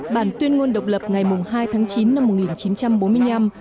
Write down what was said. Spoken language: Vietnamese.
bản tuyên ngôn độc lập ngày hai tháng chín năm một nghìn chín trăm bốn mươi năm